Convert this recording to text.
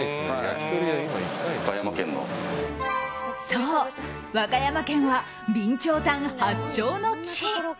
そう、和歌山県は備長炭発祥の地。